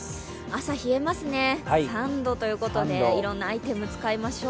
朝、冷えますね、３度ということでいろんなアイテムを使いましょう。